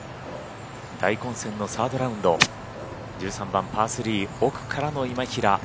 大混戦のサードラウンド１３番パー３奥からの今平。